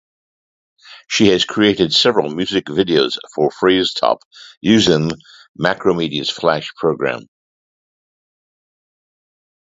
She has created several music videos for Freezepop using then-Macromedia's Flash program.